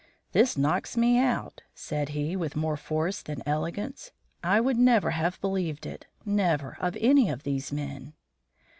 "This knocks me out," said he, with more force than elegance. "I would never have believed it, never, of any of these men."